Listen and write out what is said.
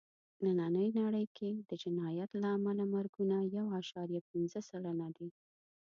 نننۍ نړۍ کې د جنایت له امله مرګونه یو عشاریه پینځه سلنه دي.